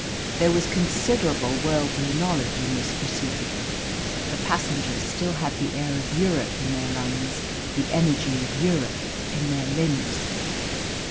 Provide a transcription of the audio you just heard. There was considerable worldly knowledge in this proceeding. The passengers still had the air of Europe in their lungs, the energy of Europe in their limbs.